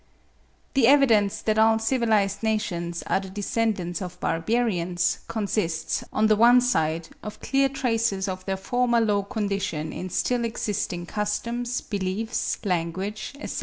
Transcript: The evidence that all civilised nations are the descendants of barbarians, consists, on the one side, of clear traces of their former low condition in still existing customs, beliefs, language, etc.